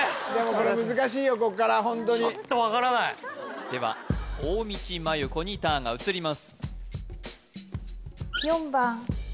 これ難しいよこっからホントにちょっと分からないでは大道麻優子にターンが移ります